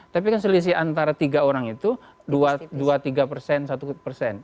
tapi kan selisih antara tiga orang itu dua tiga persen satu persen